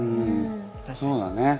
そうだね。